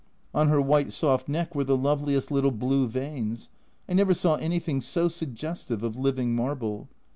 On her white soft neck were the loveliest little blue veins, I never saw anything so suggestive of living marble.